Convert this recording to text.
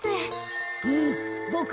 うんボク